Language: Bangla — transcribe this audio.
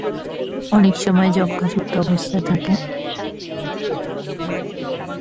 অনেক সময় যক্ষ্মা সুপ্ত অবস্থায় থাকে।